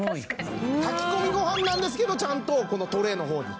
炊き込みごはんなんですけどちゃんとこのトレーの方に。